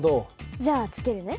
じゃあつけるね。